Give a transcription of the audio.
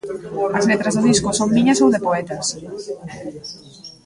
As letras do disco son miñas ou de poetas.